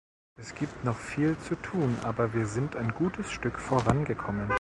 Es gibt noch viel zu tun, aber wir sind ein gutes Stück vorangekommen.